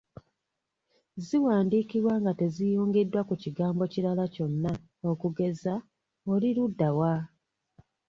Ziwandiikibwa nga teziyungiddwa ku kigambo kirala kyonna okugeza oli ludda wa?